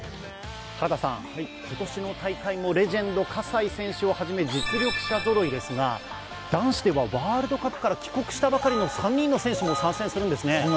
原田さん、今年の大会もレジェンド・葛西選手をはじめ実力者ぞろいですが男子ではワールドカップから帰国したばかりの３人の選手も参戦するんですね。